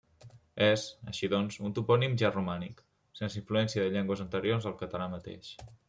És, així doncs, un topònim ja romànic, sense influència de llengües anteriors al català mateix.